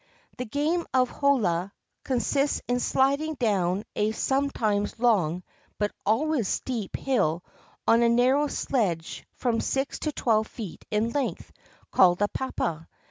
The game of holua consists in sliding down a some times long but always steep hill on a narrow sledge from six to twelve feet in length, called a papa.